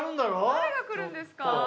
誰が来るんですか？